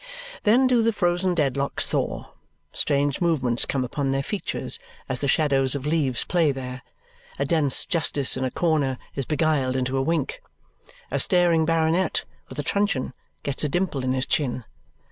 Then do the frozen Dedlocks thaw. Strange movements come upon their features as the shadows of leaves play there. A dense justice in a corner is beguiled into a wink. A staring baronet, with a truncheon, gets a dimple in his chin.